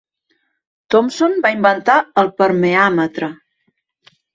Thompson va inventar el permeàmetre.